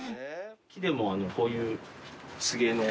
木でもこういうつげの。